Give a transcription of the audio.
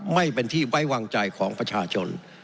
ไม่เป็นที่ไว้วางใจของประชาชน